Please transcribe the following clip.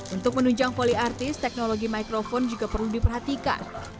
untuk menunjang polyartis teknologi microphone juga perlu diperhatikan